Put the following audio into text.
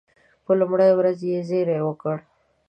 په لومړۍ ورځ یې زېری وکړ.